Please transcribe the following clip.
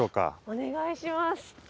お願いします。